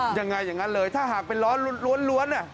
อย่างไรอย่างนั้นเลยถ้าหากเป็นล้อล้วนล้วน